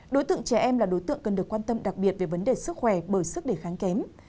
đối tượng trẻ em là đối tượng cần được quan tâm đặc biệt về vấn đề sức khỏe bởi sức đề kháng kém